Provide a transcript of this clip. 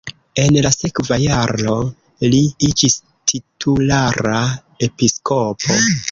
En la sekva jaro li iĝis titulara episkopo.